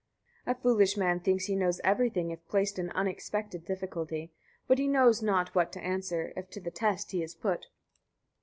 26. A foolish man thinks he knows everything if placed in unexpected difficulty; but he knows not what to answer, if to the test he is put.